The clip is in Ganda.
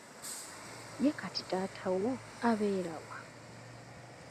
Ye kati taata wo abeera wa?